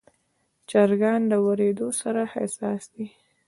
چرګان د وریدو سره حساس دي.